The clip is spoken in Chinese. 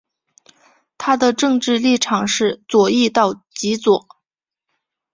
它的政治立场是左翼到极左。